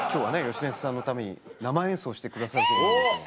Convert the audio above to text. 芳根さんのために生演奏してくださるということで。